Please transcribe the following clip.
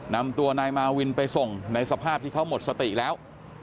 นำตัวนายมาวินไปส่งในสภาพที่เขาหมดสติแล้ว